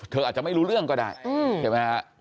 อาจจะไม่รู้เรื่องก็ได้ใช่ไหมฮะ